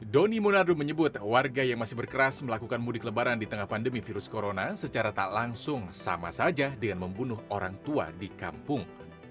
doni monardo menyebut warga yang masih berkeras melakukan mudik lebaran di tengah pandemi virus corona secara tak langsung sama saja dengan membunuh orang tua di kampung